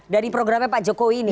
dari programnya pak jokowi ini